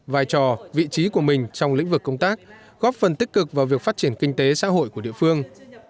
vai trò vị trí của mình trong lĩnh vực công tác góp phần tích cực vào việc phát triển kinh tế xã hội của địa phương